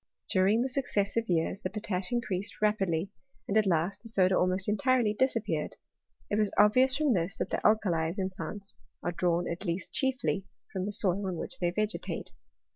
During the successive years the potash increased rapidly, and at last the soda almost entirely disappeared. It was obvious from THEORY IV CHSMI8TRT. S99 this, that the alkalies in plants are drawn at least chiefly from the soil in which they vegetate.